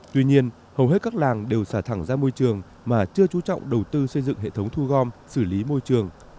tuy nhiên hầu hết các làng đều xả thẳng ra môi trường mà chưa chú trọng đầu tư xây dựng hệ thống thu gom xử lý môi trường